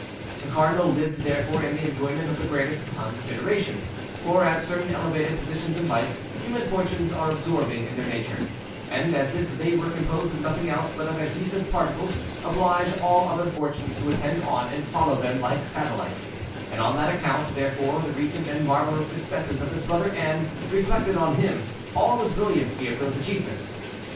The cardinal lived, therefore, in the enjoyment of the greatest consideration, for, at certain elevated positions in life, human fortunes are absorbing in their nature, and, as if they were composed of nothing else but of adhesive particles, oblige all other fortunes to attend on and follow them like satellites; and on that account, therefore, the recent and marvelous successes of his brother Anne reflected on him all the brilliancy of those achievements.